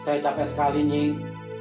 saya capek sekali nying